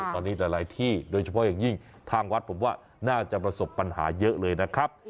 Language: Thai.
ตอนนี้หลายที่โดยเฉพาะอย่างยิ่งทางวัดผมว่าน่าจะประสบปัญหาเยอะเลยนะครับ